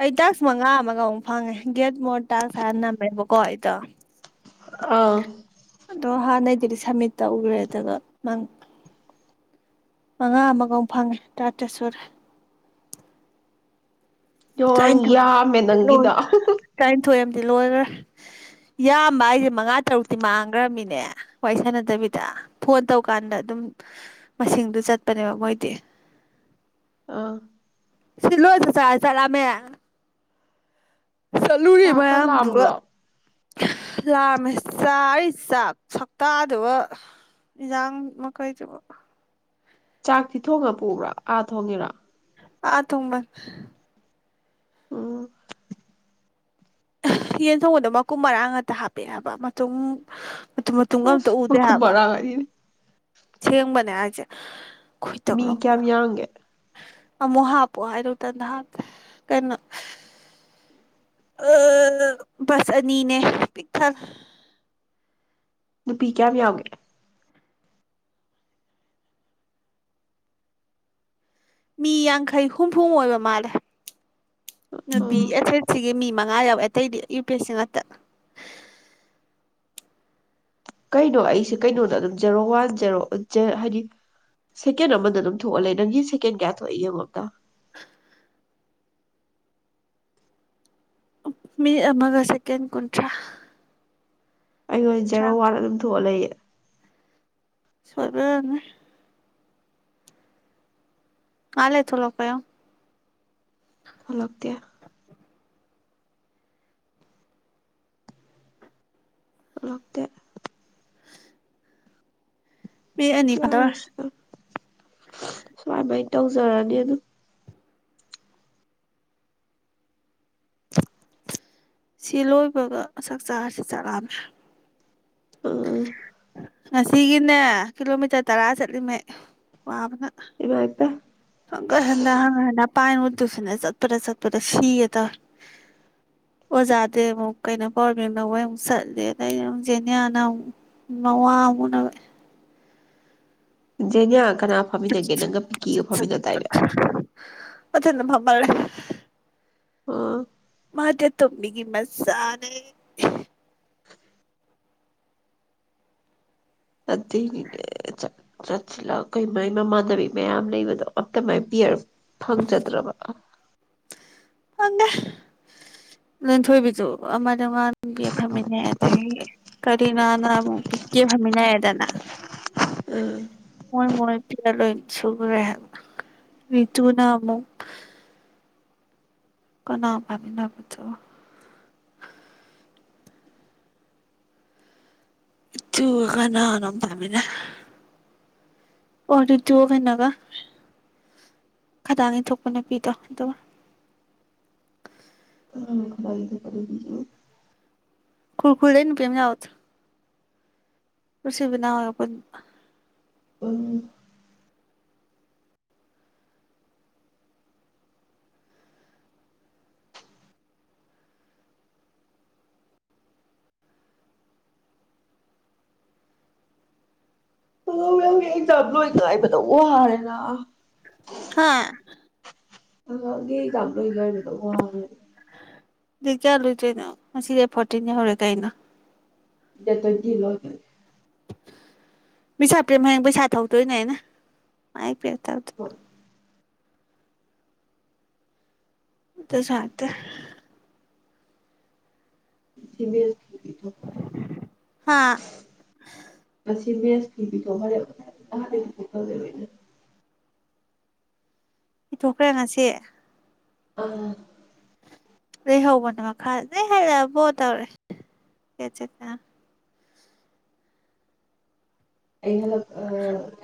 ꯑꯩ ꯇꯥꯛꯁ ꯃꯉꯥ ꯑꯃꯒ ꯑꯃꯨꯛ ꯐꯪꯉꯦ ꯒꯦꯠ ꯃꯣꯔ ꯇꯥꯛꯁ ꯍꯥꯏꯅ ꯅꯝꯃꯦꯕꯀꯣ ꯑꯩꯗꯣ ꯑꯥ ꯑꯗꯣ ꯍꯥꯟꯅꯩꯗꯨꯗꯤ ꯁꯝꯃꯤꯠ ꯇꯧꯈ꯭ꯔꯦ ꯑꯗꯨꯒ ꯅꯪ ꯃꯉꯥ ꯑꯃꯒ ꯑꯃꯨ ꯐꯪꯉꯦ ꯇꯔꯥꯇꯔꯦꯠ ꯁꯨꯔꯦ ꯌꯣꯡ ꯇꯔꯥꯅꯤꯊꯣꯏ ꯌꯥꯝꯃꯦ ꯅꯪꯒꯤꯗꯣ ꯂꯣꯏꯒꯔꯦ ꯌꯥꯝꯕ ꯍꯥꯏꯁꯦ ꯃꯉꯥ ꯇꯔꯨꯛꯇꯤ ꯃꯥꯡꯈ꯭ꯔꯃꯤꯅꯦ ꯋꯥꯔꯤꯏ ꯁꯥꯟꯅꯗꯕꯤꯗ ꯐꯣꯟ ꯇꯧꯀꯥꯟꯗ ꯑꯗꯨꯝ ꯃꯁꯤꯡꯗꯨ ꯆꯠꯄꯅꯦꯕ ꯃꯣꯏꯗꯤ ꯑꯥ ꯁꯤꯂꯣꯏꯁꯤ ꯆꯥꯔ ꯆꯥꯛ ꯂꯥꯝꯃꯦ ꯆꯠꯂꯨꯔꯤ ꯆꯥꯛꯀ ꯃꯌꯥꯝꯗꯨꯒ ꯂꯥꯝꯕ꯭ꯔꯣ ꯂꯥꯝꯃꯦ ꯆꯥꯔꯤ ꯆꯥꯛ ꯁꯛꯇꯥꯗꯨꯒ ꯌꯦꯟꯖꯥꯡ ꯃꯈꯩꯗꯨꯒ ꯆꯥꯛꯇꯤ ꯊꯣꯡꯉ ꯄꯨꯕ꯭ꯔꯥ ꯑꯥ ꯊꯣꯡꯉꯤꯔꯥ ꯑꯥ ꯊꯣꯡꯕ ꯎꯝ ꯌꯦꯟ ꯊꯣꯡꯕꯗꯣ ꯃꯀꯨꯝ ꯃꯔꯥꯡ ꯉꯥꯛꯇ ꯍꯥꯄꯛꯑꯦꯕ ꯃꯇꯨꯝ ꯃꯇꯨꯝ ꯃꯇꯨꯝꯒ ꯑꯝꯇ ꯑꯁ ꯎꯗꯦ ꯃꯈꯨꯝ ꯍꯥꯏꯕ ꯃꯔꯥꯡ ꯑꯅꯤꯅꯦ ꯑꯁꯦꯡꯕꯅꯦ ꯍꯥꯏꯖꯦ ꯃꯤ ꯀꯌꯥꯝ ꯌꯥꯡꯒꯦ ꯑꯃꯨꯛ ꯍꯥꯞꯄꯣ ꯍꯥꯏꯗꯧ ꯇꯟꯗ ꯍꯥꯞꯇꯦ ꯀꯩꯅꯣ ꯑꯥ ꯕꯁ ꯑꯅꯤꯅꯦ ꯄꯤꯛꯊꯟ ꯅꯨꯄꯤ ꯀꯌꯥꯝ ꯌꯥꯎꯒꯦ ꯃꯤ ꯌꯥꯡꯈꯩ ꯍꯨꯝꯐꯨ ꯑꯣꯏꯕ ꯃꯥꯜꯂꯦ ꯅꯨꯄꯤ ꯑꯥ ꯑꯦꯁꯦꯠ ꯁꯤꯒꯤ ꯃꯤꯃꯥ ꯉꯥ ꯌꯥꯎꯕ ꯑꯇꯩꯗꯤ ꯌꯨ ꯄꯤ ꯑꯦꯁ ꯁꯤ ꯉꯥꯛꯇ ꯀꯩꯅꯣ ꯑꯩꯁꯦ ꯀꯩꯅꯣꯗ ꯑꯗꯨꯝ ꯖꯦꯔꯣ ꯋꯥꯟ ꯖꯦꯔꯣ ꯍꯥꯏꯗꯤ ꯁꯦꯀꯦꯟ ꯑꯃꯗ ꯑꯗꯨꯝ ꯊꯣꯛꯑ ꯂꯩ ꯅꯪꯒꯤ ꯁꯦꯀꯦꯟ ꯀꯌꯥ ꯊꯣꯛꯑꯦ ꯌꯦꯡꯉꯣ ꯑꯝꯇ ꯃꯤꯇ ꯑꯃꯒ ꯁꯦꯀꯦꯟ ꯀꯨꯟꯊ꯭ꯔꯥ ꯑꯩꯉꯣꯟꯗ ꯖꯦꯔꯣ ꯋꯥꯟ ꯑꯗꯨꯝ ꯊꯣꯛꯑ ꯂꯩꯌꯦ ꯁꯣꯏꯕꯩ ꯑꯣꯏꯔꯝꯅꯤ ꯉꯥꯏꯍꯥ ꯂꯩꯔ ꯊꯣꯛꯂꯛꯄ ꯌꯣꯉꯣ ꯊꯣꯂꯛꯇꯦ ꯊꯣꯂꯛꯇꯦ [unintelligible] ꯁꯨꯃꯃꯥꯏ ꯇꯧꯖꯔꯅꯤ ꯑꯗꯨꯝ ꯁꯤ ꯂꯣꯏꯕꯒ ꯆꯥꯛ ꯆꯥꯔꯁꯤ ꯆꯥꯛꯂꯥꯝꯃꯦ ꯑꯥ ꯉꯁꯤꯒꯤꯅꯦ ꯀꯤꯂꯣꯃꯤꯇꯔ ꯇꯔꯥ ꯆꯠꯂꯤꯃꯦ ꯋꯥꯕꯅ ꯏꯕꯥꯏ ꯄꯥꯏ ꯍꯪꯒꯠ ꯍꯟꯗ ꯍꯪꯒꯠ ꯍꯟꯗ ꯄꯥꯏꯅ ꯋꯨꯗ ꯇꯨꯏꯁꯟꯗ ꯆꯠꯄꯗ ꯆꯠꯄꯗ ꯁꯤꯌꯦ ꯇꯔꯦ ꯑꯣꯖꯥꯗꯤ ꯑꯃꯨꯛ ꯀꯩꯅꯣ ꯄ꯭ꯔꯣꯕ꯭ꯂꯦꯝ ꯂꯧꯕꯩ ꯑꯃꯨꯛ ꯆꯠꯂꯦ ꯑꯗ ꯑꯩꯅ ꯑꯃꯨꯛ ꯖꯦꯅꯤꯌꯥꯅ ꯑꯃꯨꯛ ꯃꯋꯥ ꯑꯃꯨꯛ ꯎꯅꯕ ꯖꯦꯅꯌꯥ [unintelligible] ꯃꯔꯔ ꯑꯥ ꯃꯥꯗꯤ ꯑꯇꯣꯝꯕꯤꯒꯤ ꯃꯆꯥꯅꯦ ꯑꯗꯨꯒꯤꯅꯦ ꯆꯠ ꯆꯠꯁꯤꯂꯥꯎ ꯀꯩ ꯃꯥꯏꯃꯃꯥꯟꯅꯕꯤ ꯃꯌꯥꯝ ꯂꯩꯕꯗꯣ ꯑꯝꯇ ꯃꯥꯏ ꯄꯤꯌꯔ ꯐꯪꯖꯗ꯭ꯔꯕ ꯈꯪꯗꯦ ꯂꯟꯊꯣꯏꯕꯤꯖꯨ ꯑꯃ ꯟꯗꯒꯤꯗꯤ ꯀꯔꯤꯅꯥꯅꯥ ꯄꯤꯀꯦ ꯐꯝꯃꯤꯅꯥꯔꯦꯗꯅ ꯎꯝ ꯃꯣꯏ ꯃꯣꯏ ꯌꯥ ꯂꯣꯏ ꯏꯁꯨꯒ꯭ꯔꯦꯍꯥꯏ ꯔꯤꯇꯨꯅ ꯑꯃꯨꯛ ꯀꯅꯥ ꯄꯃꯤꯅ ꯄꯊꯣ ꯇ ꯀꯅꯅ ꯄꯥꯝꯃꯦꯅ ꯑꯣ ꯑꯗꯨꯗꯣ ꯀꯩꯅꯣꯒ ꯈꯗꯥꯡ ꯏꯟꯊꯣꯛꯄ ꯅꯨꯄꯤꯗꯣ ꯑꯗꯨꯒ ꯈꯔꯗ ꯀꯗ [unintelligible] ꯈꯨꯔꯈꯨꯜꯗꯧ ꯅꯨꯄꯤ ꯑꯃ ꯌꯥꯥꯎꯕꯗꯨ ꯃꯁꯤꯟ ꯃꯅꯥꯎ ꯍꯦꯛ ꯄꯨꯟ ꯎꯝ ꯑꯉꯥꯡ ꯃꯌꯥꯝꯒꯤ ꯑꯦꯛꯖꯥꯝ ꯂꯣꯏ ꯉꯥꯏꯕꯗ ꯋꯥꯔꯦꯅ ꯍꯥꯥ ꯑꯉꯥꯡꯒꯤ ꯑꯦꯛꯖꯥꯝ ꯂꯣꯏ ꯉꯥꯢꯕꯗ ꯋꯥꯔꯦꯅ ꯗꯦꯠ ꯀꯌꯥꯗ ꯂꯣꯢꯗꯣꯏꯅꯣ ꯉꯁꯤ ꯗꯦꯠ ꯐꯣꯔꯇꯤꯟ ꯌꯧꯔꯦ ꯀꯩꯅꯣ ꯗꯦꯇ ꯇꯋꯦꯟꯇꯤꯗ ꯂꯣꯢꯕꯅꯤ ꯃꯤꯁꯥ ꯄꯦꯝ ꯍꯌꯦꯡ ꯄꯩꯁꯥ ꯊꯧꯗꯣꯏꯅꯦ ꯑꯩꯅ ꯃꯥꯢ ꯄꯤ ꯍꯣꯏ ꯗꯁꯨ ꯍꯥꯢꯔꯛꯇꯦ [unintelligible] ꯁꯤꯃꯦꯜ ꯍꯥꯥ ꯁꯤꯃꯦꯁ ꯀꯤ ꯄꯤꯊꯣꯛꯈꯔꯦꯕ ꯉꯁꯥꯢꯅ ꯄꯤꯊꯣꯛꯈ꯭ꯔꯦ ꯉꯁꯤ ꯑꯥ ꯂꯩꯍꯧꯕꯅꯦ ꯃꯈꯥ ꯅꯣꯢ ꯍꯜꯂꯛꯑꯕꯣ ꯇꯧꯔꯛꯏ ꯑꯩ ꯍꯜꯂꯛ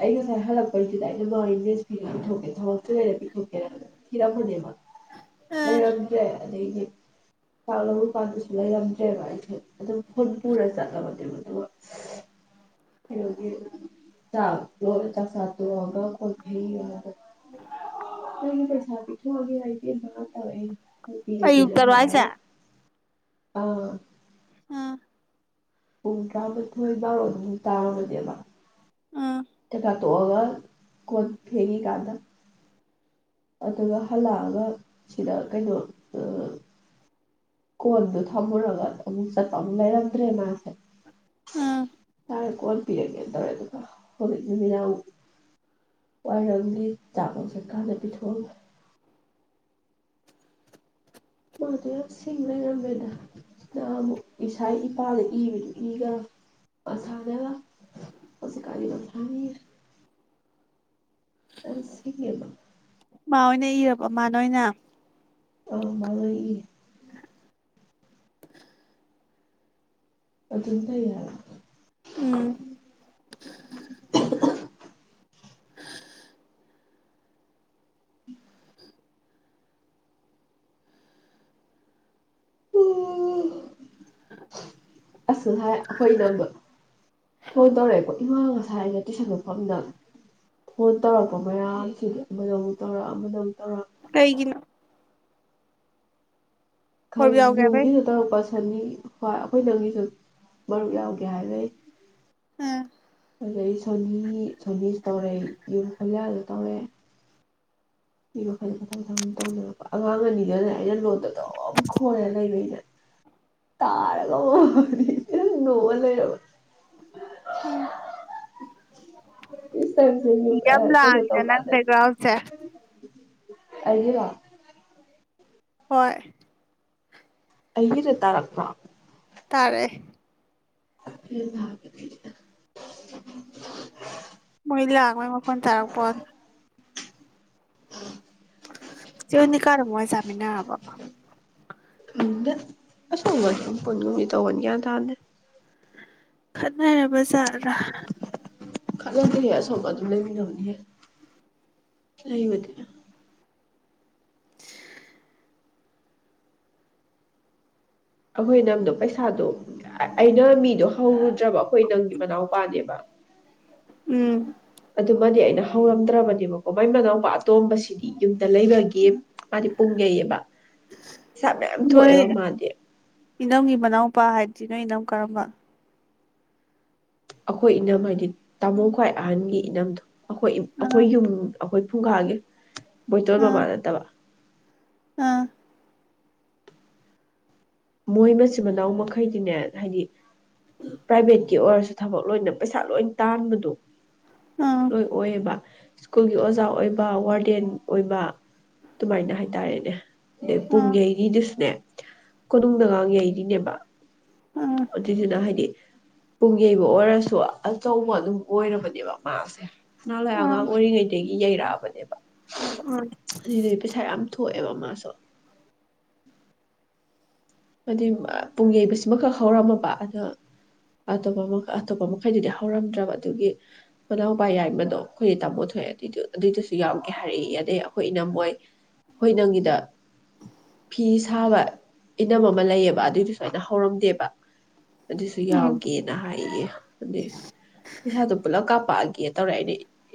ꯑꯩ ꯉꯁꯥꯏ ꯍꯜꯂꯛꯄꯩꯁꯤꯗ ꯑꯩꯅ ꯃꯥꯏ ꯃꯦꯁ ꯐꯤ ꯄꯤꯊꯣꯛꯀꯦ ꯊꯧꯔꯛꯇ꯭ꯔꯉꯩꯗ ꯄꯤꯊꯣꯛꯀꯦ ꯊꯤꯔꯝꯕꯅꯦꯕ ꯂꯩꯔꯝꯗ꯭ꯔꯦ ꯑꯗꯩꯗꯤ ꯆꯥꯡꯕꯨ ꯀꯥꯟꯗꯁꯨ ꯂꯩꯥꯔꯝꯗ꯭ꯦꯕ ꯑꯩꯁꯨ ꯐꯨꯟ ꯄꯨꯔ ꯆꯠꯂꯕ ꯑꯗꯨꯢ ꯃꯇꯨꯡꯗ ꯀꯩꯅꯣꯒꯤ ꯆꯥꯛ ꯆꯥꯛꯆꯥꯥ ꯇꯣꯡꯑꯒ ꯀꯣꯜ ꯐꯦꯉꯤꯀꯥꯟꯗ ꯅꯪꯒꯤ ꯄꯩꯁꯥ ꯄꯤꯊꯣꯛꯑꯒꯦ ꯂꯩꯇꯦꯕ ꯇꯧꯔꯛꯑꯦ [inaudible] ꯍꯣꯢ ꯄꯤꯔꯒꯦꯅ ꯑꯌꯨꯛꯇꯔꯣ ꯍꯥꯏꯁꯦ ꯍꯥꯏꯔꯒ ꯑꯥ ꯑꯥ ꯄꯨꯡ ꯇꯔꯥꯃꯥꯊꯣꯏ ꯕꯥꯔꯣ ꯑꯗꯨꯨꯃꯨꯛ ꯇꯥꯔꯝꯃꯅꯦꯕ ꯎꯝ [inaudible] ꯇꯣꯛꯑꯒ ꯀꯣꯟ ꯐꯦꯒꯤ ꯀꯥꯟꯗ ꯑꯗꯨꯒ ꯍꯜꯂꯛꯑꯒ ꯁꯤꯗ ꯀꯩꯅꯣ ꯑꯥ ꯀꯣꯟꯗꯨꯣ ꯊꯝꯃꯨꯔꯒ ꯑꯃꯨꯛ ꯆꯠꯄ ꯑꯃꯨꯛ ꯂꯩꯔꯝꯗ꯭ꯔꯦ ꯃꯥꯁꯤ ꯎꯝ ꯁꯥꯔꯦ ꯀꯣꯜ ꯄꯤꯔꯒꯦꯅ ꯇꯧꯔꯦ ꯑꯗꯨꯒ ꯍꯧꯖꯤꯛꯇ ꯅꯨꯃꯤꯗꯥꯡ ꯋꯥꯏꯔꯝꯒꯤ ꯆꯥꯕ ꯆꯠꯀꯥꯟꯗ ꯄꯤꯊꯣꯛꯑꯝꯒꯦ ꯃꯥꯗꯨ ꯌꯥꯝ ꯁꯤꯡ ꯂꯩꯔꯝꯃꯦꯗ ꯅꯍꯥꯜ ꯑꯃꯨꯛ ꯏꯁꯥꯒꯤ ꯏꯄꯥꯗ ꯏꯕꯗꯨ ꯏꯗ꯭ꯔꯝ ꯃꯁꯥꯅꯒ ꯍꯧꯖꯤ ꯀꯥꯟꯗꯤ ꯃꯁꯥꯅ ꯏꯔꯦ [unintelligible] ꯑ ꯁꯤꯒꯤ ꯑꯃ ꯃꯥꯏ ꯑꯣꯏꯅ ꯏꯔꯕꯣ ꯃꯥ ꯅ ꯑꯣꯏꯅ ꯑ ꯃꯥꯅꯔꯛ ꯏ ꯑꯗꯨꯟ ꯐꯩ ꯍꯥꯢꯕ ꯎꯝ [inaudible] ꯎꯝ ꯑꯣ ꯑꯁꯁꯨ ꯋꯥꯏ ꯑꯩꯈꯣꯏ ꯏꯅꯝꯗꯣ ꯐꯣꯟ ꯇꯧꯔꯛꯑꯦꯀꯣ ꯏꯃꯥ ꯉꯁꯥꯏ ꯑꯩꯅ ꯇꯨꯏꯁꯟ ꯃꯐꯝꯗ ꯐꯣꯟ ꯇꯧꯔꯛꯄ ꯃꯌꯥꯝꯁꯤꯗꯤ ꯑꯃꯗ ꯑꯃꯨꯛ ꯇꯧꯔꯛ ꯑꯃꯗ ꯑꯃꯨꯛ ꯇꯧꯔꯛ ꯀꯩꯒꯤꯅꯣ ꯈꯪ ꯍꯣꯏꯕ ꯌꯥꯎꯒꯦ ꯍꯥꯏꯕꯩ ꯌꯨꯝꯒꯤꯗꯨ ꯇꯧꯔꯛꯄꯒ ꯁꯤ ꯈꯅꯤ ꯍꯣꯏ ꯑꯩꯈꯣꯏ ꯏꯅꯝꯒꯤꯁꯨ ꯃꯔꯨꯞ ꯌꯥꯎꯒꯦ ꯍꯥꯏꯕꯩ ꯑꯤ ꯑꯗꯩ ꯁꯣꯅꯤ ꯁꯣꯅꯤꯁꯨ ꯇꯧꯔꯛꯏ ꯌꯨꯝ ꯍꯣꯂꯤꯌꯥꯗꯨ ꯇꯧꯔꯛꯑꯦ ꯁꯤ ꯃꯈꯜ ꯃꯊꯪ ꯃꯊꯪ ꯇꯧꯅꯔꯛꯄ ꯑꯉꯥꯡ ꯑꯅꯤꯗꯨꯅꯅꯦ ꯑꯩꯅ ꯂꯣꯟ ꯑꯗꯨꯝ ꯈꯣꯏꯔ ꯂꯩꯕꯩꯅꯦ ꯇꯥꯔꯒ ꯑꯗꯨꯝ ꯅꯣꯛꯑ ꯂꯩꯔꯕ ꯎꯝ ꯏꯁꯇꯔꯁꯦ ꯌꯥꯝ ꯀꯩꯅꯣ ꯂꯥꯡꯉꯤꯗ ꯅꯪ ꯇꯧꯀꯥꯟꯗꯗꯤ ꯕꯦꯛꯒ꯭ꯔꯥꯎꯟꯁꯦ ꯑꯩꯒꯤꯔꯣ ꯍꯣꯏ ꯑꯩꯒꯤꯗ ꯇꯥꯔꯛꯄ ꯇꯥꯔꯛꯑꯦ ꯐꯦꯟ ꯊꯥꯕꯒꯤꯅꯤ ꯃꯣꯏ ꯂꯥꯡꯕꯩ ꯃꯈꯣꯟ ꯇꯥꯔꯛꯄ ꯋꯥꯟ ꯎꯝ ꯆꯦ ꯑꯣꯅꯤꯀꯥꯗꯨ ꯃꯣꯏ ꯆꯤꯃꯤꯅꯔꯕꯣ ꯈꯪꯗꯦ ꯑꯁꯣꯝ ꯁꯨꯝ ꯄꯨꯨꯟꯒꯨꯝꯗꯤ ꯇꯧꯕꯟ ꯒ꯭ꯌꯥꯟ ꯇꯥꯗꯦ ꯉꯅꯕꯖ꯭ꯔꯥ [unintelligible] ꯈꯜꯂ ꯀ ꯑꯁꯣꯝ ꯑꯗꯨꯝ ꯂꯩꯃꯤꯅꯕꯅꯤꯍꯦ ꯂꯩꯕꯅꯤꯅ [inaudible] ꯑꯩꯈꯣꯏ ꯏꯅꯝꯗꯨ ꯄꯩꯁꯥꯗꯨ ꯑꯩꯅ ꯃꯤꯗꯨ ꯍꯧꯔꯨꯗ ꯗ꯭ꯔꯕ ꯑꯩꯈꯣꯏ ꯅꯪꯒꯤ ꯃꯅꯥꯎꯄꯥꯅꯦꯕ ꯎꯝ ꯑꯗꯨꯃꯅꯤ ꯑꯩꯅ ꯍꯧꯔꯝꯗ꯭ꯔꯕꯅꯦꯕꯀꯣ ꯃꯥꯢ ꯃꯅꯥꯎ ꯅꯨꯄꯥ ꯑꯇꯣꯝꯕꯁꯤꯗꯤ ꯌꯨꯝꯗ ꯂꯩꯕꯒꯤ ꯃꯥꯗꯤ ꯄꯨꯡ ꯌꯩꯑꯕ ꯄꯩꯁꯥ ꯃꯌꯥꯝ ꯅꯣꯏ ꯊꯣꯛꯑꯦꯕ ꯃꯥꯗꯤ ꯏꯅꯝꯒꯤ ꯃꯅꯥꯎꯄꯥ ꯍꯥꯏꯗꯨꯗꯤ ꯅꯣꯏ ꯏꯅꯝ ꯀꯔꯝꯕ ꯑꯩꯈꯣꯏ ꯏꯅꯝ ꯍꯥꯏꯗꯤ ꯇꯥꯃꯣ ꯈ꯭ꯋꯥꯏ ꯑꯍꯟꯒꯤ ꯏꯅꯝꯗꯨ ꯑꯩꯈꯣꯏ ꯑꯩꯈꯣꯏ ꯑꯥ ꯌꯨꯝ ꯑꯩꯈꯣꯏ ꯐꯨꯡꯒꯥꯒꯤ ꯕꯣꯏꯇꯣꯟ ꯑꯥ ꯃꯃꯥ ꯅꯠꯇꯕ ꯑꯥ ꯃꯣꯏ ꯃꯆꯤꯟ ꯃꯅꯥꯎ ꯃꯈꯩꯗꯤꯅꯦ ꯍꯥꯏꯗꯤ ꯄ꯭ꯔꯥꯏꯚꯦꯠꯀꯤ ꯑꯣꯏꯔꯁꯨ ꯊꯕꯛ ꯂꯣꯏꯅ ꯄꯩꯁꯥ ꯂꯣꯏ ꯇꯥꯟꯕꯗꯨ ꯑꯥ ꯂꯣꯏ ꯑꯣꯏꯌꯦꯕ ꯁ꯭ꯀꯨꯜꯒꯤ ꯑꯣꯖꯥ ꯑꯣꯏꯕ ꯋꯥꯔꯗꯦꯟ ꯑꯣꯏꯕ ꯑꯗꯨꯃꯥꯏꯅ ꯍꯥꯏꯇꯥꯔꯦꯅꯦ ꯑꯗꯩ ꯑꯥ ꯄꯨꯡꯌꯩꯔꯤꯗꯨꯁꯨꯅꯦ ꯀꯣꯅꯨꯡꯗꯒ ꯌꯩꯔꯤꯅꯦꯕ ꯑꯥ ꯑꯗꯨꯏꯗꯨꯅ ꯍꯥꯏꯗꯤ ꯄꯨꯡ ꯌꯩꯕ ꯑꯣꯏꯔꯁꯨ ꯑꯆꯧꯕ ꯑꯗꯨꯝ ꯑꯣꯏꯔꯕꯅꯦꯕ ꯃꯥꯁꯦ ꯅꯍꯋꯥꯢ ꯑꯉꯥꯡ ꯑꯥ ꯑꯣꯏꯔꯤ ꯉꯩꯗꯒꯤ ꯌꯩꯔꯛꯑꯕꯅꯦꯕ ꯑꯗꯨꯗꯤ ꯄꯩꯁꯥ ꯌꯥꯝ ꯊꯣꯛ ꯑꯣꯏꯌꯦꯕ ꯃꯥꯁꯨ ꯍꯥꯏ ꯄꯨꯡ ꯌꯩꯕꯁꯤꯃꯈꯛ ꯍꯧꯔꯝꯃꯕ ꯑꯗꯣ ꯑꯇꯣꯞꯄ ꯑꯇꯣꯞꯄ ꯃꯈꯩꯗꯨꯗꯤ ꯍꯧꯔꯝꯗ꯭ꯔꯕ ꯑꯗꯨꯒꯤ ꯃꯅꯥꯎꯄꯥ ꯌꯥꯏꯃꯗꯣ ꯑꯩꯈꯣꯏꯗꯤ ꯇꯥꯃꯣ ꯊꯣꯛꯑꯦ ꯑꯗꯨꯏ ꯑꯗꯨꯏꯗꯨꯁꯨ ꯌꯥꯎꯒꯦ ꯍꯥꯏꯔꯛꯏ ꯑꯗꯩ ꯑꯩꯈꯣꯏ ꯏꯅꯝ ꯍꯣꯏ ꯑꯩꯈꯣꯏ ꯏꯅꯝꯒꯤꯗ ꯐꯤ ꯁꯥꯕ ꯏꯅꯝ ꯑꯃ ꯂꯩꯌꯦꯕ ꯑꯗꯨꯏꯗꯨꯁꯨ ꯑꯩꯅ ꯍꯧꯔꯝꯗꯦꯕ ꯑꯗꯨꯁꯨ ꯎꯝ ꯌꯥꯎꯒꯦꯅ ꯍꯥꯏꯌꯦ ꯑꯗꯨꯢ ꯄꯩꯁꯥꯗꯣ ꯄꯨꯂꯞ ꯀꯥꯞ ꯀꯥꯞꯀꯦ ꯇꯧꯔꯦ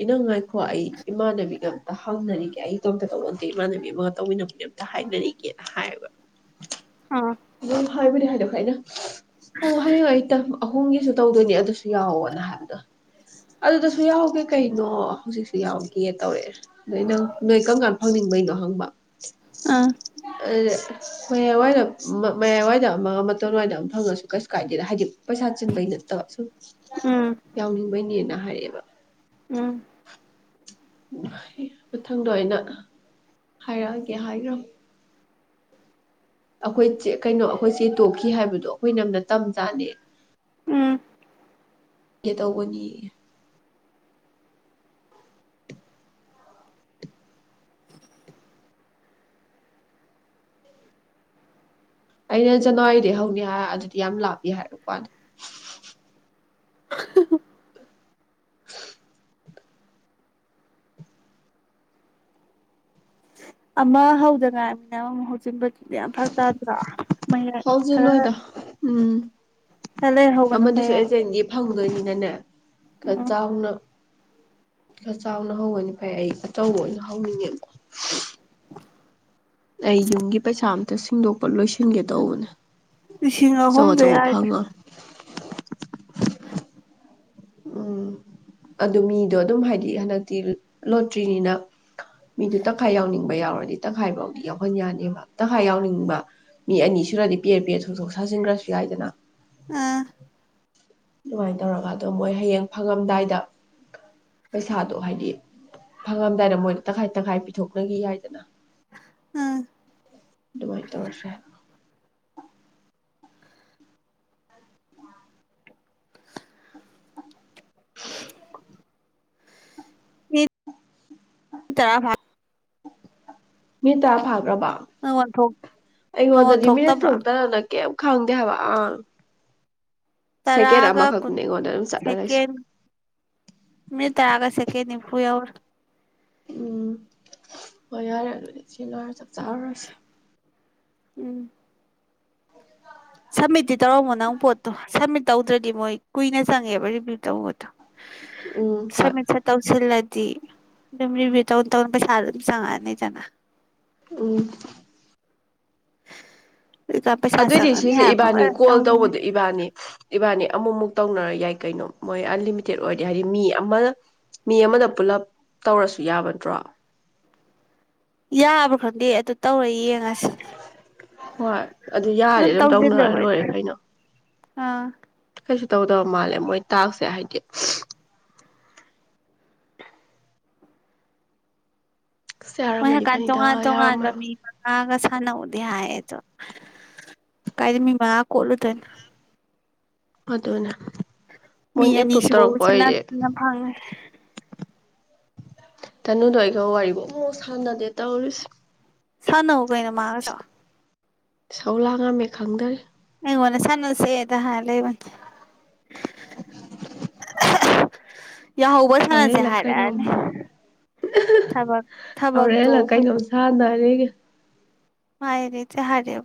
ꯏꯅꯨꯝ ꯉꯥꯏꯈꯣ ꯑꯩ ꯏꯃꯥꯟꯅꯕꯤꯒ ꯑꯝꯇ ꯍꯪꯅꯔꯤꯒꯦ ꯑꯩ ꯏꯇꯣꯝꯇ ꯇꯧꯕ ꯅꯠꯇꯦ ꯏꯃꯥꯟꯅꯕꯤ ꯑꯃꯒ ꯇꯧꯃꯤꯟꯅꯕꯒꯤ ꯑꯝꯇ ꯍꯥꯏꯅꯔꯤꯒꯦꯅ ꯍꯥꯏꯌꯦꯕ ꯑꯥ ꯍꯥꯏꯕꯨꯗꯤ ꯍꯥꯏꯗꯣꯛꯈ꯭ꯔꯦ ꯑꯩꯅ ꯍ ꯍꯌꯦꯡ ꯑꯩ ꯇꯪꯕ ꯑꯍꯨꯝꯒꯤꯁꯨ ꯇꯧꯗꯣꯏꯅꯦ ꯑꯗꯨꯁꯨ ꯌꯥꯎꯋꯣꯅ ꯍꯥꯏꯕꯗꯣ ꯑꯗꯨꯗꯁꯨ ꯌꯥꯎꯒꯦ ꯀꯩꯅꯣ ꯍꯧꯖꯤꯛꯁꯨ ꯌꯥꯎꯒꯦ ꯇꯧꯔꯛꯑꯦ ꯑꯗꯩꯗ ꯏꯅꯝ ꯅꯣꯏ ꯀꯔꯝ ꯀꯥꯟꯗ ꯐꯪꯅꯤꯡꯕꯩꯅꯣ ꯍꯪꯕ ꯑꯥ ꯑꯗ ꯃꯌꯥꯢ ꯋꯥꯏꯔꯞ ꯃꯌꯥꯏꯋꯥꯏꯗ ꯑꯃ ꯃꯇꯋꯥꯏꯗ ꯑꯃ ꯐꯪꯉꯁꯨ ꯀꯩꯁꯨ ꯀꯥꯏꯗꯦꯗ ꯍꯥꯏꯗꯤ ꯄꯩꯁꯥ ꯆꯤꯟꯕꯩ ꯅꯠꯇꯕ ꯁꯨꯝ ꯎꯝ ꯌꯥꯎꯅꯤꯡꯕꯩꯅꯦꯅ ꯍꯥꯏꯌꯦꯕ ꯎꯝ ꯃꯊꯪꯗꯣ ꯑꯩꯅ ꯍꯥꯏꯔꯛꯑꯒꯦ ꯍꯥꯏꯒꯔꯝ ꯑꯩꯈꯣꯏꯆꯦ ꯀꯩꯅꯣ ꯑꯩꯈꯣꯏꯆꯦ ꯇꯣꯛꯈꯤ ꯍꯥꯏꯕꯗꯣ ꯑꯩꯈꯣꯏ ꯏꯅꯝꯅ ꯇꯝꯖꯥꯅꯤ ꯎꯝ ꯀꯦ ꯇꯧꯕꯅꯤ ꯌꯦ ꯑꯩꯅ ꯖꯅꯋꯥꯔꯤꯗꯩ ꯍꯧꯅꯤ ꯍꯥꯏ ꯑꯗꯨꯗꯤ ꯌꯥꯝ ꯂꯥꯞꯃꯜꯂꯤ ꯍꯥꯏꯔꯛꯄꯩ ꯋꯥꯅꯤ ꯑꯃ ꯍꯧꯗ ꯉꯥꯢꯃꯤꯅꯥ ꯑꯃ ꯑꯃꯨꯛ ꯍꯧꯖꯤꯟꯕꯗꯨ ꯌꯥꯝ ꯐꯔꯛ ꯇꯥꯗ꯭ꯔꯣ ꯃꯌꯥꯢ ꯈꯔ ꯍꯧꯖꯤꯜꯂꯣꯏꯗ ꯎꯝ ꯈꯔ ꯂꯩꯍꯧꯕꯅ ꯐꯩ ꯑꯃꯗꯨꯁꯨ ꯍꯥꯏ ꯑꯦꯖꯦꯟꯒꯤ ꯐꯪꯗꯣꯏꯅꯤ ꯅꯦ ꯅ ꯈ ꯎꯝ ꯆꯥꯎꯅ ꯆꯥꯎꯅ ꯍꯧꯕꯅ ꯐꯩ ꯑꯩ ꯑꯆꯧꯕ ꯑꯣꯏꯅ ꯍꯧꯅꯤꯡꯉꯦꯕ ꯑꯩ ꯌꯨꯝꯒꯤ ꯄꯩꯁꯥ ꯑꯝꯇ ꯁꯤꯡꯗꯣꯛꯄ ꯂꯣꯏꯁꯤꯟꯒꯦ ꯇꯧꯕꯅꯤ ꯂꯤꯁꯤꯡ ꯑꯍꯨꯝꯗꯨ ꯌꯥꯔꯦꯗ ꯎꯝ ꯑꯗꯨ ꯃꯤꯗꯣ ꯑꯗꯨꯝ ꯍꯥꯏꯗꯤ ꯍꯟꯗꯛꯇꯤ ꯂꯣꯇ꯭ꯔꯤꯅꯤꯅ ꯃꯤꯗꯣ ꯇꯪꯈꯥꯏ ꯌꯥꯎꯅꯤꯡꯕ ꯌꯥꯎꯔꯗꯤ ꯇꯪꯈꯥꯏ ꯐꯥꯎꯗꯤ ꯌꯥꯎꯍꯟ ꯌꯥꯅꯦꯕ ꯇꯪꯈꯥꯏ ꯌꯥꯎꯅꯤꯡꯕ ꯃꯤ ꯑꯅꯤ ꯁꯨꯔꯗꯤ ꯄꯦꯔ ꯄꯦꯔ ꯊꯣꯛ ꯊꯣꯛ ꯁꯥꯖꯤꯟꯈ꯭ꯔꯁꯨ ꯌꯥꯏꯗꯅ ꯑꯥ ꯑꯗꯨꯃꯥꯏꯅ ꯇꯧꯔꯒ ꯑꯗꯣ ꯃꯣꯏ ꯍꯌꯦꯡ ꯐꯪꯉꯝꯗꯥꯏꯗ ꯄꯩꯁꯥꯗꯣ ꯍꯥꯏꯗꯤ ꯐꯪꯉꯝꯗꯥꯏꯗ ꯃꯣꯏꯗ ꯇꯪꯈꯥꯏ ꯇꯪꯈꯥꯏ ꯄꯤꯊꯣꯛꯅꯈꯤ ꯌꯥꯏꯗꯅ ꯑꯥ ꯑꯗꯨꯃꯥꯏ ꯇꯧꯔꯁꯦ [inaudible] ꯃꯤ ꯇꯔꯥ ꯐ ꯃꯤ ꯇ ꯐ ꯔꯕꯥ ꯅꯪꯉꯣꯟ ꯊꯣꯛ ꯅꯪꯉꯣꯟ ꯑꯩꯉꯣꯟꯗꯗꯤ ꯃꯤꯅꯤ ꯊꯣꯛꯇꯕ꯭ꯔꯣ ꯊꯣꯡꯇꯅ ꯀꯦꯝ ꯈꯪꯗꯦ ꯍꯥꯏꯕ ꯑꯥ ꯁꯦꯀꯦꯟ ꯇꯔꯥꯒ ꯀꯨꯟ ꯑꯃꯈꯛꯇꯅꯦ ꯑꯩꯉꯣꯟꯗ ꯑꯗꯨꯝ ꯆꯠꯂ ꯂꯩꯁꯦ ꯁꯦꯀꯦꯟ ꯃꯤꯅꯤꯠ ꯇꯔꯥꯒ ꯁꯦꯀꯦꯟ ꯅꯤꯐꯨ ꯌꯧꯔꯦ ꯎꯝ ꯍꯣꯏ ꯌꯥꯔꯦ ꯑꯗꯨꯗꯤ ꯁꯤꯂꯣꯏꯔꯒ ꯆꯥꯛ ꯆꯥꯔꯨꯔꯁꯦ ꯎꯝ ꯁꯝꯃꯤꯠꯇꯤ ꯇꯧꯔꯝꯃꯣ ꯅꯪ ꯄꯣꯠꯇꯣ ꯁꯝꯃꯤꯠ ꯇꯧꯗ꯭ꯔꯗꯤ ꯃꯣꯏ ꯀꯨꯏꯅ ꯆꯪꯉꯦꯕ ꯔꯤꯚꯤꯌꯨ ꯇꯧꯕꯇꯣ ꯎꯝ ꯍꯣꯏ ꯁꯃꯤꯠꯁꯦ ꯇꯧꯁꯤꯜ ꯂ ꯑꯗꯨꯗꯤ ꯑꯗꯨꯝ ꯔꯤꯚꯤꯌꯨ ꯇꯧꯔ ꯇꯧꯔ ꯄꯩꯁꯥ ꯑꯗꯨꯝ ꯆꯪꯉꯛꯑꯅꯤꯗꯅ ꯎꯝ ꯑꯗꯨꯒ ꯄꯩꯁꯥ ꯑꯗꯨꯑꯣꯏꯗꯤ ꯆꯪꯉꯅꯤ ꯁꯤꯁꯦ ꯍꯥꯏꯕ ꯏꯕꯥꯅꯤ ꯂꯣꯏꯔꯦ ꯀꯣꯜ ꯇꯧꯕꯗꯣ ꯇꯧꯅꯤꯡꯉꯦ ꯏꯕꯥꯅꯤ ꯏꯕꯥꯅꯤ ꯑꯃꯨꯛꯃꯨꯛ ꯇꯧꯅꯔ ꯌꯥꯏ ꯀꯩꯅꯣ ꯃꯣꯏ ꯑꯟꯂꯤꯃꯤꯇꯦꯠ ꯑꯣꯏꯗꯦ ꯍꯥꯏꯔꯗꯤ ꯃꯤ ꯑꯃ ꯃꯤ ꯑꯃꯅ ꯄꯨꯂꯞ ꯇꯧꯔꯁꯨ ꯌꯥꯕ ꯅꯠꯇ꯭ꯔꯣ ꯌꯥꯕꯔ ꯈꯗꯦ ꯑꯗꯨ ꯇꯧꯔ ꯌꯦꯡꯉꯁꯤ ꯍꯣꯏ ꯑꯗꯨ ꯌꯥꯔꯗꯤ ꯑꯗꯨꯝ ꯇꯧꯅꯔ ꯇꯧꯁꯤꯜꯂꯦꯕ ꯂꯣꯏꯔꯦ ꯑꯩ ꯀꯩꯅꯣ ꯑꯥ ꯀꯩꯁꯨ ꯇꯧꯗꯕ ꯃꯥꯜꯂꯦ ꯃꯣꯏ ꯇꯥꯛꯁꯦ ꯍꯥꯏꯗꯦ [inaudible] ꯑꯁ ꯃꯣꯏ ꯌꯥꯔꯝꯃꯗꯤ ꯍꯛꯀꯥꯟ ꯐꯅꯤꯗ ꯇꯣꯉꯥꯟ ꯇꯣꯉꯥꯟꯕ ꯌꯥꯔꯝꯃꯔꯣꯏ ꯃꯤ ꯃꯉꯥꯒ ꯁꯥꯟꯅꯧꯅ ꯌꯥꯏ ꯑꯗꯨ ꯀꯥꯏꯗꯒꯤ ꯃꯤ ꯃꯉꯥ ꯀꯣꯠꯂꯨꯗꯣꯏꯅꯣ ꯑꯗꯨꯅ ꯃꯤ ꯑꯅꯤꯁꯤꯕꯨ ꯎꯆꯤꯟ ꯅꯥꯆꯤꯟꯅ ꯐꯪꯒꯦ ꯇꯥꯅꯨꯗꯣ ꯑꯩꯒ ꯋꯥꯔꯤꯕꯨ ꯑꯃꯨꯛ ꯁꯥꯅꯗꯦ ꯇꯧꯔꯤꯁꯦ ꯁꯥꯅꯧ ꯒꯣꯏꯌꯦ ꯃꯥꯒꯁꯨ ꯏꯁꯧ ꯂꯥꯡ ꯉꯝꯃꯦ ꯈꯪꯗꯔꯦ ꯀꯣꯟꯅ ꯁꯥꯅꯁꯦꯗ ꯍꯥꯏ ꯂꯩꯕꯅꯦ ꯍꯧꯔꯦꯜꯂ ꯀꯩꯅꯣꯝꯃ ꯊꯕꯛ ꯊꯕꯛꯇꯣ ꯍꯧꯔꯦꯜꯂ ꯀꯩꯅꯣꯝ ꯁꯥꯟꯗꯔꯦ ꯑꯩꯒꯤ ꯃꯥꯥꯏꯔꯦꯟ ꯆꯦꯔꯦ